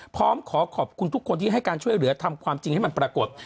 พร้อมขอขอบคุณทุกคนที่ให้การช่วยเหลือทำความจริงให้มันปรากฏ